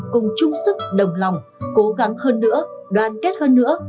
cùng chung sức đồng lòng cố gắng hơn nữa đoàn kết hơn nữa